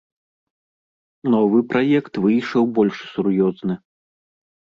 Новы праект выйшаў больш сур'ёзны.